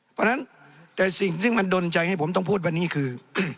เพราะฉะนั้นแต่สิ่งที่มันดนใจให้ผมต้องพูดวันนี้คือ